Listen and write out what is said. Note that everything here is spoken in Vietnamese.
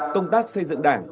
công tác xây dựng đảng